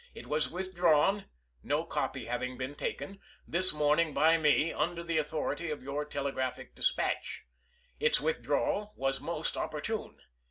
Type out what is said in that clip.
It was withdrawn (no copy having been taken) this morning by me, under the authority of your telegraphic dispatch. Its withdrawal was most opportune.